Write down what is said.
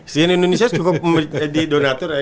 cnn indonesia cukup di donatur ya